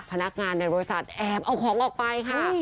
พนักงานในบริษัทแอบเอาของออกไปค่ะ